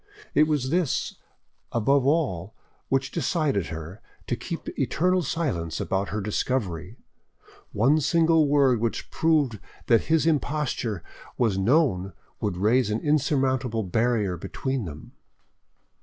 It was this above all which decided her to keep eternal silence about her discovery; one single word which proved that his imposture was known would raise an insurmountable barrier between them.